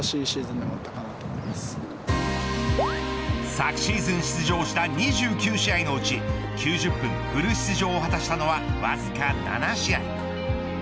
昨シーズン出場した２９試合のうち９０分フル出場をはたしたのはわずか７試合。